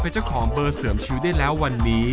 เป็นเจ้าของเบอร์เสริมชีวิตได้แล้ววันนี้